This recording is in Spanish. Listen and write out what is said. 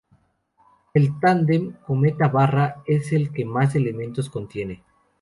El tándem cometa-barra es el que más elementos contiene.